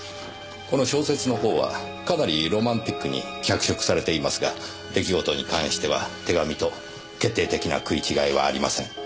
この小説の方はかなりロマンティックに脚色されていますが出来事に関しては手紙と決定的な食い違いはありません。